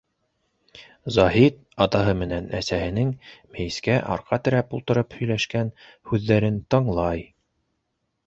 Заһит атаһы менән әсәһенең мейескә арҡа терәп ултырып һөйләшкән һүҙҙәрен тыңлай.